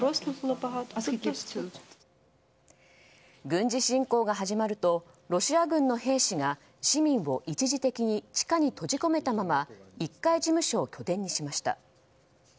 軍事侵攻が始まるとロシア軍の兵士が市民を一時的に地下に閉じ込めたまま１階事務所を拠点にしました。